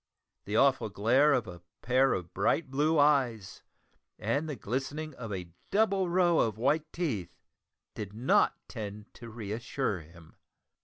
The awful glare of a pair of bright blue eyes, and the glistening of a double row of white teeth, did not tend to re assure him.